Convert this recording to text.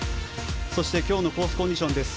そして、今日のコースコンディションです。